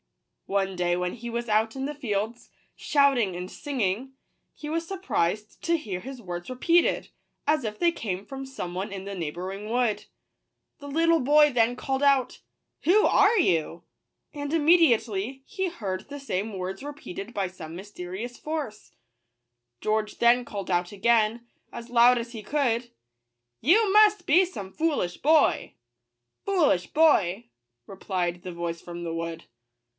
One day when he was out in the fields, shouting and singing, he was surprised to hear his words repeated, as if they came from some one in the neighbouring wood. The little boy then called out, " Who are you ?" and immediately he heard the same words re peated by some mysterious voice. George then called out again, as loud as he could, " You must be some foolish boy." " Fool ish boy!" replied the voice from the wood.